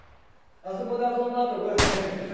あそこで遊んだ後ここで水。